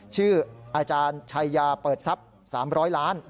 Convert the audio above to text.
ชื่ออาจารย์ชัยยาเปิดทรัพย์๓๐๐ล้าน